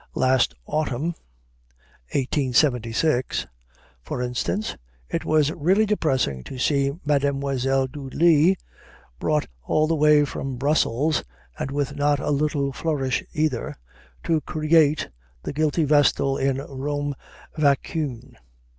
Last autumn, for instance, it was really depressing to see Mademoiselle Dudley brought all the way from Brussels (and with not a little flourish either) to "create" the guilty vestal in "Rome Vaincue."